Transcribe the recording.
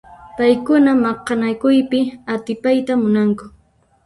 Paykuna maqanakuypi atipayta munanku.